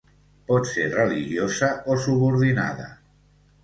Pot ser religiosa o subordinada.